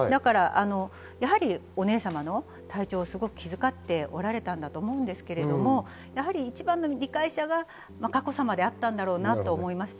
お姉さまの体調をすごく気づかっておられたと思うんですけれど、一番の理解者は佳子さまであったんだろうなと思いました。